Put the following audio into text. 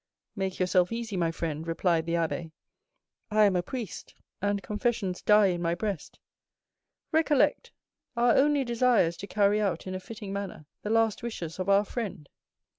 "Make yourself easy, my friend," replied the abbé. "I am a priest, and confessions die in my breast. Recollect, our only desire is to carry out, in a fitting manner, the last wishes of our friend.